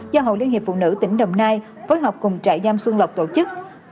do hội liên hiệp phụ nữ tỉnh đồng nai phối hợp cùng trại giam xuân lộc tổ chức